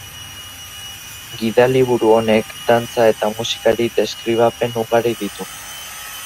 Gidaliburu honek dantza eta musikari deskribapen ugari ditu.